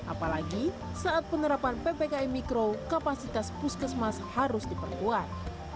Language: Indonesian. apalagi saat penerapan ppkm mikro kapasitas puskesmas harus diperkuat